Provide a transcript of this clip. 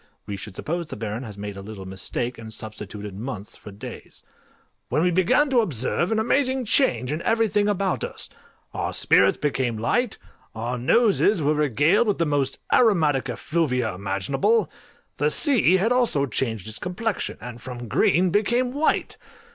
[we should suppose the Baron has made a little mistake, and substituted months for days] when we began to observe an amazing change in everything about us: our spirits became light, our noses were regaled with the most aromatic effluvia imaginable: the sea had also changed its complexion, and from green became white!!